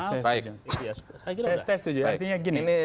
saya setes itu juga artinya gini